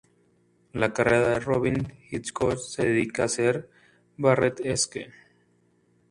La carrera de Robyn Hitchcock se dedica a ser Barrett-esque.